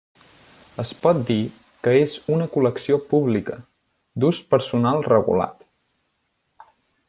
Es pot dir que és una col·lecció pública, d'ús personal regulat.